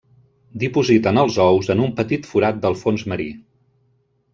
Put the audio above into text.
Dipositen els ous en un petit forat del fons marí.